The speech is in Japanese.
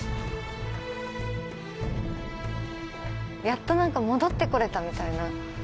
やっとなんか戻ってこれたみたいな。